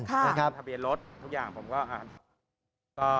จากทะเบียนรถทุกอย่างผมก็